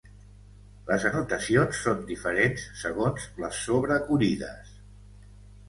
Les anotacions són diferents segons les sobrecollides.